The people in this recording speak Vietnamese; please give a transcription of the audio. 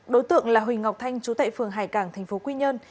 đối tượng là huỳnh ngọc thanh chú tệ phường hải cảng tp quy nhơn